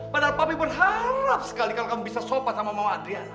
padahal papi pun harap sekali kalau kamu bisa sobat sama mama adriana